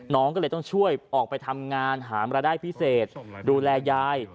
น้องก็เลยต้องช่วยออกไปทำงานหามรายได้พิเศษดูแลยาย